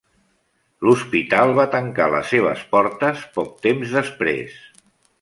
L'hospital va tancar les seves portes poc temps després.